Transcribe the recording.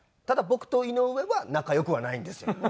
ただ僕と井上は仲良くはないんですよ。